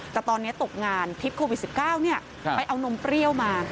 แต่ตอนนี้ตกงานพิษโควิด๑๙ไปเอานมเปรี้ยวมา